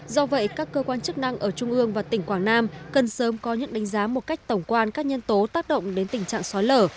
do vậy các cơ quan chức năng ở trung ương và tỉnh quảng nam cần sớm có những đánh giá một cách tổng quan các nhân tố tác động đến tình trạng sói lở